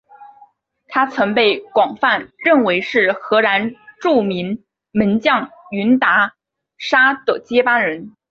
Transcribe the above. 他曾被广泛认为是荷兰著名门将云达沙的接班人。